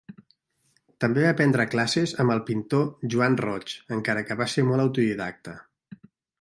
També va prendre classes amb el pintor Joan Roig, encara que va ser molt autodidacta.